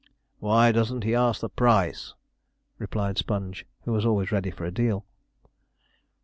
'Why doesn't he ask the price?' replied Sponge, who was always ready for a deal.